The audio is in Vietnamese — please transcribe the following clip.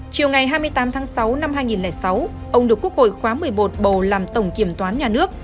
chiều ngày hai mươi tám tháng sáu năm hai nghìn sáu ông được quốc hội khóa một mươi một bầu làm tổng kiểm toán nhà nước